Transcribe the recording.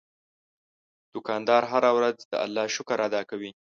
دوکاندار هره ورځ د الله شکر ادا کوي.